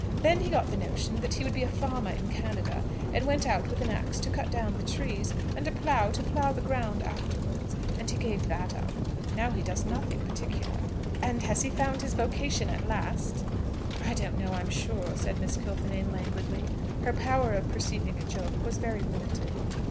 Then he got the notion that he would be a farmer in Canada, and went out with an axe to cut down the trees, and a plough to plough the ground afterwards, and he gave that up. Now he does nothing particular." "And has he found his vocation at last?" "I don't know, I'm sure," said Miss Kilfinane, languidly. Her power of perceiving a joke was very limited.